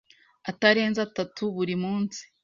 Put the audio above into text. atarenze atatu buri munsi